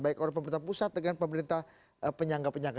baik oleh pemerintah pusat dengan pemerintah penyangga penyangga